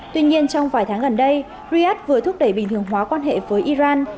tuy nhiên trong vài tháng gần đây riyadh vừa thúc đẩy bình thường hóa quan hệ với iran